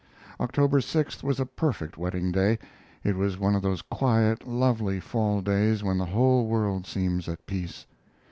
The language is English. October 6th was a perfect wedding day. It was one of those quiet, lovely fall days when the whole world seems at peace.